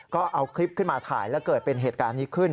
ก็เอาคลิปขึ้นมาถ่ายแล้วเกิดเป็นเหตุการณ์นี้ขึ้น